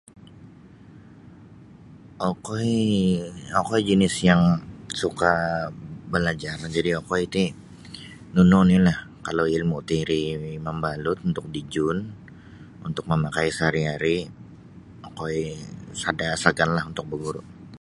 Okoi okoi jinis yang suka balajar jadi okoi ti nunu ni lah kalau ilmu tiri mabalut untuk dijun untuk mamakai sehari-hari okoi sada saganlah untuk baguru.